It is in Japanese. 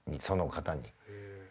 その方に。